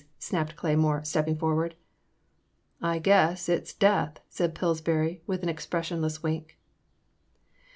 snapped Cleymore, stepping forward. '' I guess it 's death," said Pillsbiuy, with an expressionless wink.